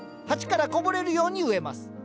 鉢からこぼれるように植えます。